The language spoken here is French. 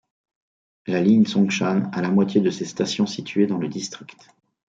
La ligne Songshan a la moitié de ses stations situées dans le district.